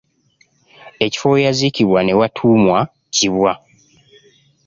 Ekifo we yaziikibwa ne watuumwa Kibwa.